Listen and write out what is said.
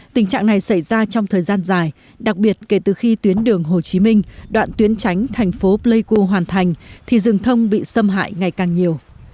tình trạng này xảy ra trong thời gian dài đặc biệt kể từ khi tuyến đường hồ chí minh đoạn tuyến tránh thành phố pleiku hoàn thành thì rừng thông bị xâm hại ngày càng nhiều